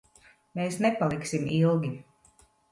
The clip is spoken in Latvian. Mēs nepaliksim ilgi.